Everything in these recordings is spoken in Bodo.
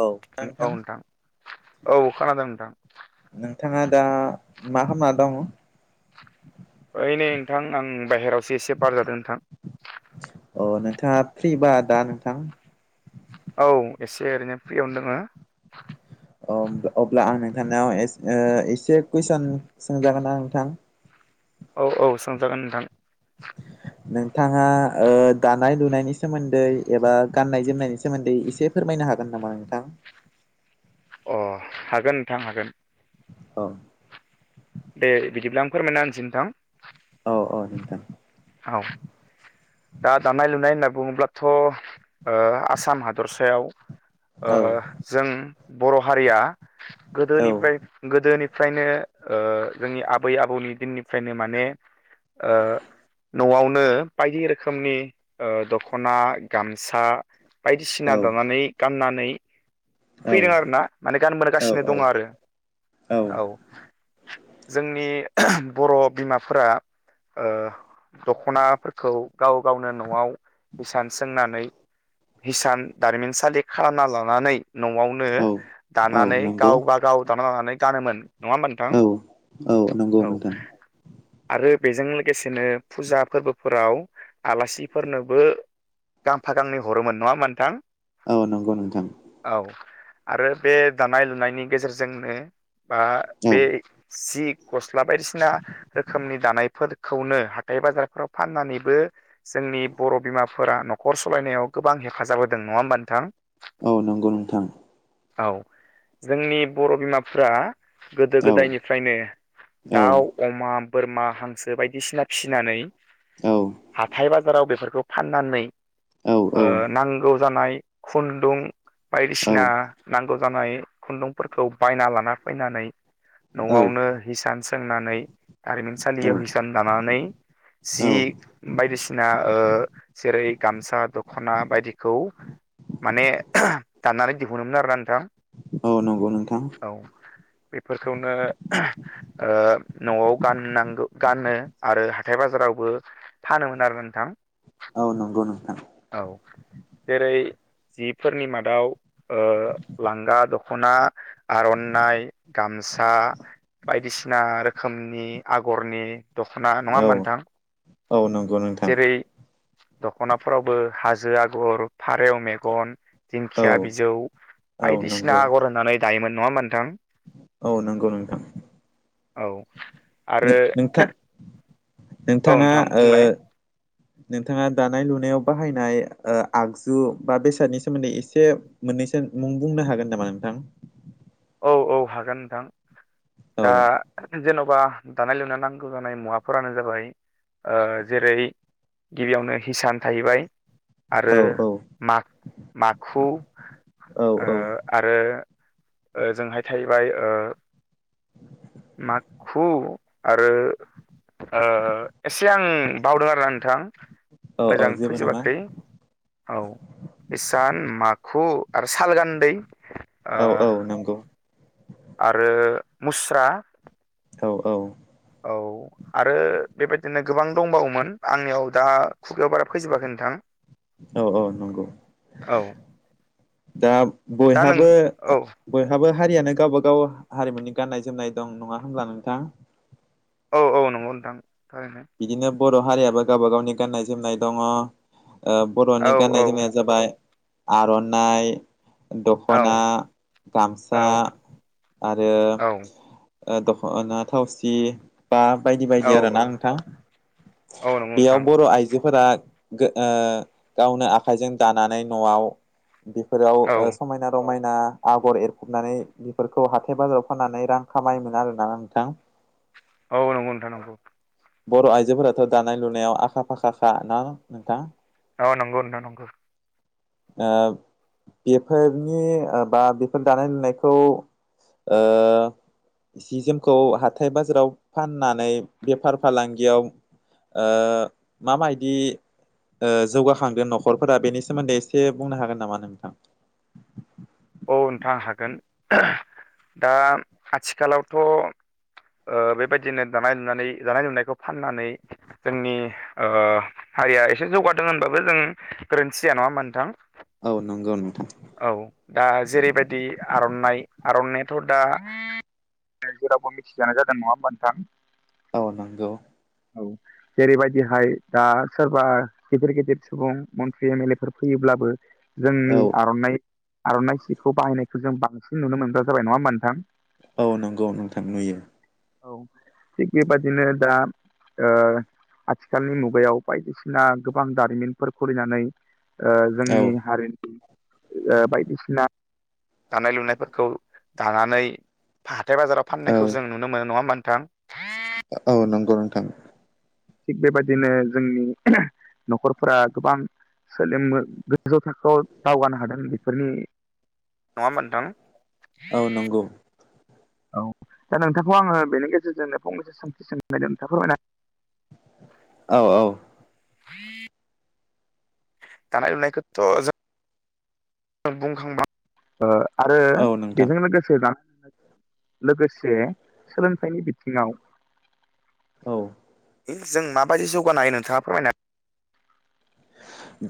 औ नोंथां औ खोनादों नोंथां नोंथाङा दा मा खालामना दङ ओइ नै नोंथां आं बाहेरायावसो एसे बार जादों नोंथां अ नोंथाङा फ्रिबा दा नोंथां औ एसे ओरैनो फ्रियावनो दोङो अ अब्ला आं नोंथांनाव एसे कुइसन सोंजागोन ना नोंथां? औ औ सोंजागोन नोंथां नोंथाङा ओह दानाय लुनायनि सोमोन्दै एबा गान्नाय जोमनायनि सोमोन्दै एसे फोरमायनो हागोन नामा नोंथां अ हागोन नोंथां हागोन औ दे बिदिब्ला आं फोरमायना होनसै नोंथां औ औ नोंथां औ दा दानाय लुनाय होनना बुङोब्लाथ' ओह आसाम हादरसायाव औ ओह जों बर' हारिया औ गोदोनिफ्राय गोदोनिफ्रायनो ओह जोंनि आबै आबौनि दिननिफ्रायनो माने ओह न'आवनो बायदि रोखोमनि ओह दख'ना गामसा बायदिसिना औ औ दानानै गाननानै औ फैदों आरोना माने गानबागासिनो दङ औ आरो औ जोंनि ओह बर‌ बिमाफोरा दख'नाफोरखौ गाव गावनो न'आव हिसान सोंनानै हिसान दारिमिनसालि खालामना लानानै न'आवनो औ औ दानानै नंगौ गावबा गाव दाना लानानै गानोमोन नङा होमबा नोंथां औ औ नंगौ औ नोंथां आरो बेजों लोगोसेनो फुजा फोरबोफोराव आलासिफोरनोबो गांफा गांन हरोमोन नङा होमबा नोंथां औ नंगौ नोंथां औ आरो बे दानाय लुनायनि गेजेरजोंनो बा औ बे सि गस्ला बायदिसिना रोखोमनि दानायफोरखौनो बे बाजारफोराव फाननानैबो जोंनि बर' बिमाफोरा न'खर सालायनायाव गोबां हेफाजाब होदों नङा होमबा नोंथां औ नंगौ नोंथां औ जोंनि बर' बिमाफ्रा गोदो औ गोदायनिफ्रायनो औ दाउ अमा बोरमा हांसो बायदिसिना फिनानै औ हाथाय बाजाराव बेफोरखौ फाननानै औ ओह नांगौ जानाय खुन्दुं औ बायदिसिना नांगौ जानाय खुन्दुंफोरखौ बायना लाना फैनानै औ न'आवनो हिसान सोंनानै हारिमिनसालियाव हिसान लानानै औ जि बायदिसिना जेरै गामसा दखना बायदिखौ माने दाननानै दिहुनोमोन आरोना नोंथां औ नंगौ नोंथां औ बेफोरखौनो न'आव गाननांगौ गानो आरो ह हाथाइ बाजारावबो फानोमोन आरो नोंथां औ नंगौ नोंथां औ जेरै जिफोरनि मादाव लांगा दख'ना आर'नाइ गामसा बायदिसिना रोखोमनि आगरनि दख'ना औ नङाामोन औ नंगौ नोंथां जेरै दख'नाफोरावबो हाजो आगर फारौ मेगन औ दिंखिया बिजौ औ बायदिसिना नंगौ आगर होननानै दायोमोन नङा होमबा नोंथां औ नोंगौ औ आरो नोंथां औ नोंथाङा नोंथां ओ बुंलाय नोंथाङा दानाय लुनायाव बाहायनाय आगजु बा बेसादनि सोमोन्दै एसे मोननैसो बुंनो हागोन नामा नोंथां औ औ हागोन नोंथां औ दा जेन'बा दानाय लुनाय नांगौ जानाय मुवाफोरानो जाबाय जेरै गिबियावनो हिसान थाहैबाय औ आरो औ माखु औ औ आरो जोंहाय थाहैबाय माखु आरो एसे आं बावदों आरोना नोंथां औ औ मोजां जेबो नङा फैजोबाखै औ इसान माखु आरो सालगान्दै ओ औ औ नंगौ आरो मुस्रा औ औ औ आरो बेबायदिनो गोबां दंबावोमोन आंनियाव दा खुगायाव बारा फैजोबाखै नोंथां औ औ नंगौ औ दा दा नों बयहाबो औ बयहाबो हारियानो गावबा गाव हारिमुनि गाननाय जोमनाय दं नङा होनब्ला नोंथां औ औ नंगौ नोंथां थारैनो बिदिनो बर' हारियाबो गावबा गावनि गाननाय जोमनाय दङ औ बर'नि औ गाननाय जोमनाया जाबाय आर'नाइ औ दखना गामसा आरो औ दख'ना थावसि बा बायदि औ बायदि आर ना नोंथां औ नंगौ बेयाव नोंथां बर' आइजोफोरा गावनो आखाइजों दानानै न'आव बेफोराव औ समायना रमायना आगर एरफबनानै बेफोरखौ हाथाय बाजाराव फाननानै रां खामायोमोन आरो ना नोंथां औ नंगौ नोंथां नंगौ बर' आइजोफोराथ' दानाय लुनायाव आखा फाखाखा ना नोंथां औ नंगौ नोंथां नंगौ आ बेफोरनि बा बेफोर दानाय लुनायखौ जि जोमखौ हाथाय बाजाराव फाननानै बेफार फालांगियाव माबायदि जौगाखांदों न'खरफोरा बेनि सोमोन्दै एसे एसे बुंनो हागोन नामा नोंथां औ नोंथां हागोन दा आथिखालावथ' बेबायदिनो दानाय लुनानै दानाय लोंनायखौ फाननानै जोंनि हारिया एसे जौगादों होनबाबो जों गोरोन्थि जया नङा मोना नोंथां औ नंगौ नोंथां औ दा जेरैबायदि आर'नाइ आर'नानायाथ' दा जेरावबो मिथिजानाय जादों नङा होमा नोंथां औ नंगौ औ जेरैबायदिहाय दा सोरबा बेफोर गेदेर सुबुं मन्त्रि एम एल ए फोर फैयोब्लाबो जोंनि औ आर'नाइ आर'नाइ सिखौ बाहायनायखौ जों बांसिन नुनो मोनग्रा जाबाय नङा होनबा नोंथां। औ नंगौ नोंथां नुयो औ थिग बेबादिनो दा आथिखालनि मुगायाव बायदिसिना गोबां दारिमिनफोर खुलिनानै औ जोंनि हारिनि बायदिसिना दानाय लुनायफोरखौ दानानै हाथाय बाजाराव औ फाननायखौ जों नुनो मोनो नङा मोनथां औ नंगौ नोंथां थिग बेबायदिनो जोंनि न'खरफोरा गोबां स जोंबो गोजौ थाखोआव दावगानो हादों बेफोरनि नङामोन नोंथां। औ नंगौ औ दा नोंथांखौ आङो बेनि गेजेरजोंनो फंनैसो सों सों नायदों नोंथाङा फोरमायना औ औ दानाय लुनायखोथ' जों जों बुंखांबाय ओ आरो औ नोंथां बेजों लोगोसे जा लोगोसे सोलोंथाइनि बिथिङाव औ जों माबायदि जौगानो हायो नोंथाङा फोरमायना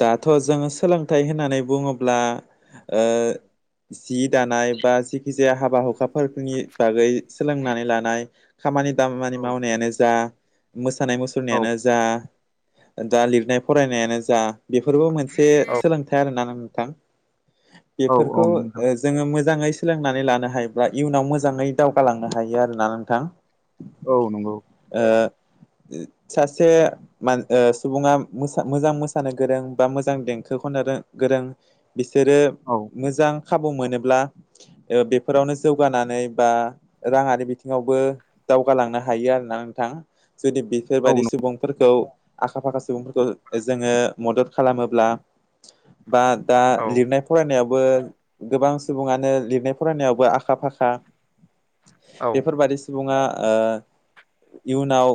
दाथ' जोङो सोलोंथाइ होननानै बुङोब्ला ओ जि दानाय बा जिखि जाया हाबा हुखा फोरनि बागै सोलोंनानै लानाय खामानि दामानि औ मावनायानो जा मोसानाय औ मुसुरनायानो जा दा लिरनाय फरायनायानो जा बेफोरबो मोनसे सोलोंथाइ आरो ना नोंथां, औ बेफोरखौ औ नोंथां ओ जोङो मोजाङै सोलोंनानै लानो हायोब्ला इयुनाव मोजाङै दावगालांनो हायो आरोना नोंथां। औ नंगौ। ओ उ सासे ओ सुबुङा मोजां मोसानो गोरों बा मोजां देंखोखौनो गोरों बिसोरो औ मोजां खाबु मोनोब्ला बेफोरावनो जौगानानै बा राङारि बिथिङावबो दावगालांनो हायो आरोना नोंथां जुदि बि औ फोरबायदि नंगौ सुबुंफोरखौ आखा फाखा सुबुंफोरखौ जोङो मदद खालामोब्ला बा दा औ लिरनाय फरायनायावबो गोबां सुबुङानो लिरनाय फरायनायावबो आखा फाखा औ बेफोरबायाददि सुबुङा ओ इयुनाव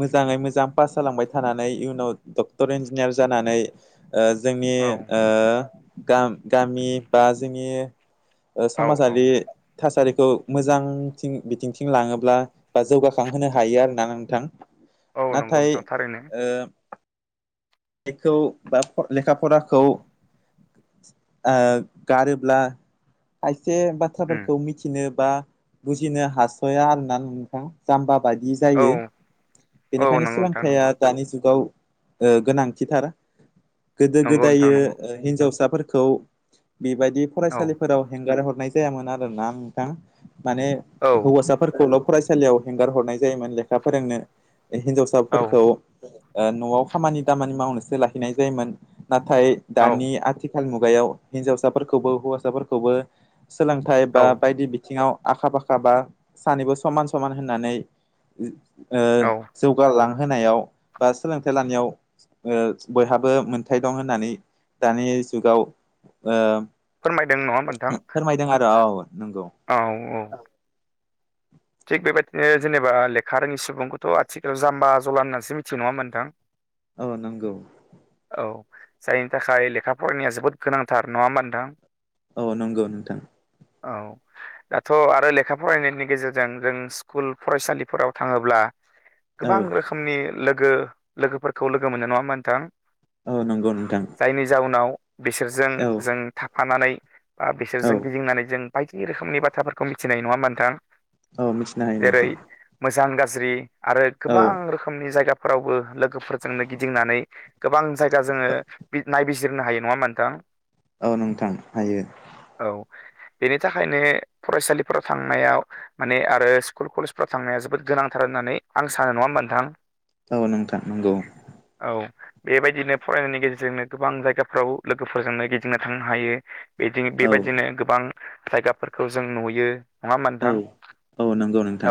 मोजाङै मोजां पास जालांबाय थानानै इयुनाव डक्टर इन्जिनियार जानानै ओ जोंनि औ ओ गामि बा जोंनि ओ औ औ समाजारि थासारिखौ मोजांथिं बिथिंथिं लाङोब्ला बा जौगाखांहोनो हायो आरोना नोंथां। औ नंगौ नाथाय नोंथां थारैनो ओ खौ बा लेखा फराखौ ओ गारोब्ला खायसे बा उम बाथ्राफोरखौ मिथिनो बा बुजिनो हास'या आरोना नोंथां। जाम्बा बायि औ जायो औ बेनिखायनो नंगौ नोंथां सोलोंथाइया नंगौ दानि जुगाव ओ गोनां थिथार। गोदो नंगौ नोंथां गोदायो नंगौ हिनजावसाफोरखौ बेबायदि औ फरायसालिफोराव हेंगार हरनाय जायामोन आरोना नोंथां माने औ हौवासाफोरखौल' फरायसालियाव हेंगार हरनाय जायोमोन लेखा फोरोंनो औ हिनजावसाफोरखौ न'आव खामानि दामानि मावनोसो लाहैनाय जायोमोन नाथाय औ दानि आथिखाल ाल मुगायाव हिनजावसाफोरखौबो हौवासाफोरखौबो सोलोंथाइ औ बा बायदि बिथिङाव आखा फाखा बा सानैबो समान समान होननानै औ जौगालांहोनायाव बा सोलोंथाइ लानायाव ओ बयहाबो मोनथाय दं होननानै दानि जुगाव फोरमायदों नङा मोनथां दों आरो औ नंगौ औ औ थिग बेबायदिनो जेनेबा लेखा रोङि सुबुंखौथ' आथिखालाव जाम्बा जला होननानैसो मिथियो नङा होनबा नोंथां। औ नंगौ औ जायनि थाखाय लेखा फरायनाया जोबोद गोनांथार नङा होमा नोंथां। औ नंगौ नोंथां। औ दाथ' आरो लेखा फरायनायनि गेजेरजों जों जों स्कुल फरायसालिफोराव थाङोब्ला गोबां औ रोखोम समनि लोगो लोगोफोरखौ लोगो मोननाय नङा मोनथां औ नंगौ नोंथां जायनि जाउनाव बिसोरजों औ जों थाफानानै बा औ बिसोरजों गिदिंनानै जों बायदि रोखोमनि बाथ्राफोरखौ मिथिनाय नङा होमबा नोंथां औ मि जेरै मोजां गाज्रि आरो औ गोबां रोखोमनि जायगा फोरावबो लोगोफोरजोंनो गिदिंनानै गोबां जायगा जोङो नायबिजिरनो हायो नङा मा नोंथां औ नोंथां हायो औ बेनि थाखायनो फरायसालिफोराव थांनायाव माने आरो स्कुल कलेजफ्राव थांनाया जोबोद गोनांथार होननानै आं सानो नङा मोनथां गावनो ओंखारनांगौ औ बेबायदिनो फरायनायनि गेजेरजोंनो गोबां जायगाफ्राव लोगोफोरजोंनो गिदिंनो थांनो हायो बिदि औ बेबायदिनो गोबां जायगाफोरखौ जों नुयो नङा औ मोनथां औ नंगौ न औ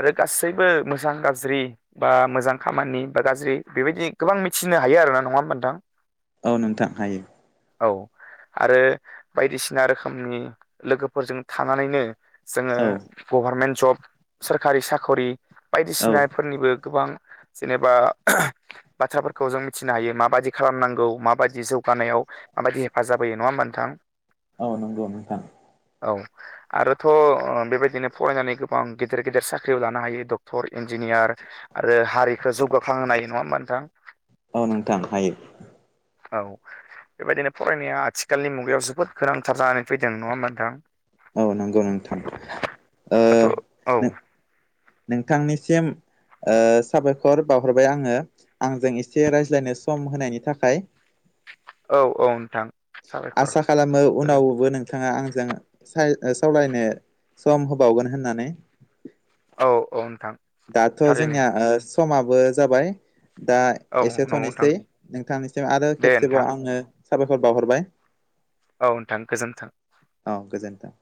आरो गासैबो मोजां गाज्रि बा मोजां खामानि बा गाज्रि बेबायदि गोबां मिथिनो हायो आरोोना नङा होमबा नोंथां औ नोंथां हायो औ आरो बायदिसिना रोखोमनि लोगोफोरजों थानानैनो औ जोङो गभारमेन्ट जब सोरखारि साख'रि औ बायदिसिनाफोरनिबो गोबां जेनेबा बाथ्राफोरखौ जों मिथिनो हायो माबाददि खालामनांगौ माबायदि जौगानायाव माबायदि हेफाजाब होयो नङा होमा नोंथां औ नंगौ नोंथां औ आरो थ' बेबायदिनो फरायनानै गोबां गेदेर गेदेर साख्रियाव लानो हायो डक्टर इन्जिनियार आरो हारिखौो जौगाखां होनाय नङा होमबा नोंथां औ नोंथां हायो औ बेबायदिनो फरायनाया आथिखालनि मुगायाव जोबोद गोनांथार जानानै फैदों नङा मोनथां औ नंगौ नोंथां दाथ' औ नोंथांनिसिम साबायखर बावहरबाय आङो आंजों एसे रायज्लायनो सम होनायनि थाखाय औ औ नोंथां साबायखर आसा खालामो गोजोन्थों उनावबो नों बिथाङा आंजों सावरायनो सम होबावगोन होननानै औ औ नोंथां दाथ' थारैनो जोंनिया ओ समाबो जाबाय दा औ एसे नंगौ नोंथां थ'नोसै नोंथांनिसिम आरो दे नोंथां खेबसेबाव आङो साबायखर बावहरबाय। औ नोंथां गोजोन्थों। औ गोजोनथों।